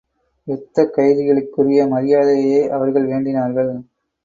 யுத்தக் கைதிகளுக்குரிய மரியாதையையே அவர்கள் வேண்டினார்கள்.